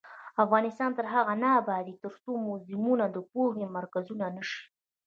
افغانستان تر هغو نه ابادیږي، ترڅو موزیمونه د پوهې مرکزونه نشي.